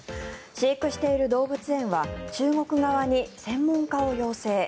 飼育している動物園は中国側に専門家を要請。